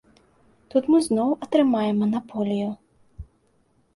Тут мы зноў атрымаем манаполію.